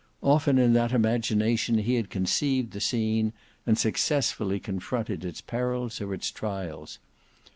Often in that imagination he had conceived the scene, and successfully confronted its perils or its trials.